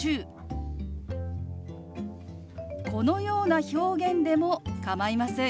このような表現でも構いません。